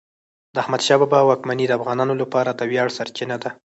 د احمدشاه بابا واکمني د افغانانو لپاره د ویاړ سرچینه ده.